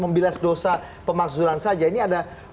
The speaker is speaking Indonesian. membilas dosa pemakzulan saja ini ada